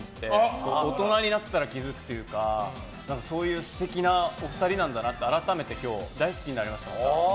大人になったら気づくというかそういう素敵なお二人なんだなって改めて今日大好きになりました。